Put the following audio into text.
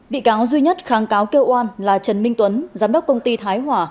bị cáo duy nhất kháng cáo kêu oan là trần minh tuấn giám đốc công ty thái hòa